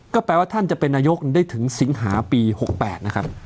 ก็แปลว่าท่านจะเป็นนายกได้ถึงสิงหาปี๖๘นะครับ